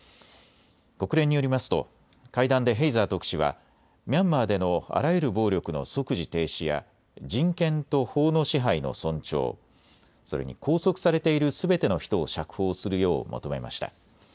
国連によりますと会談でヘイザー特使はミャンマーでのあらゆる暴力の即時停止や人権と法の支配の尊重、それに拘束されているすべての人を釈放するよう求めました。